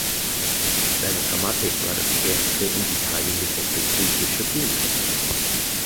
Seine Grammatik war das erste in Italien gedruckte griechische Buch.